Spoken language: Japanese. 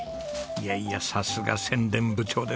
いやいやさすが宣伝部長ですね。